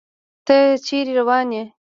ته چيرته روان يې